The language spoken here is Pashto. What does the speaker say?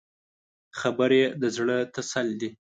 خبرې د زړه تسل دي